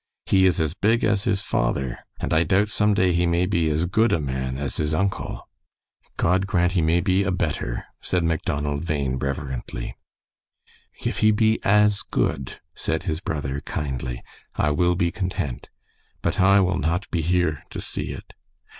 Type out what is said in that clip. "He is as big as his father, and I doubt some day he may be as good a man as his uncle." "God grant he may be a better!" said Macdonald Bhain, reverently. "If he be as good," said his brother, kindly, "I will be content; but I will not be here to see it."